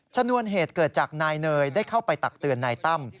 ชนวนเหตุเกิดจากนายเนยได้เข้าไปตักเตือนนายตั้ม